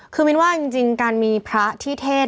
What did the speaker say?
คือมินว่าจริงการมีพระที่เทศ